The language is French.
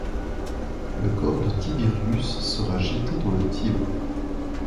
Le corps de Tiberius sera jeté dans le Tibre.